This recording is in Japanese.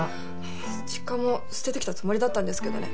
実家も捨ててきたつもりだったんですけどね。